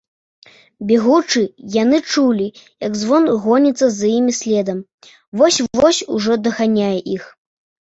Бегучы, яны чулі, як звон гоніцца за імі следам, вось-вось ужо даганяе іх.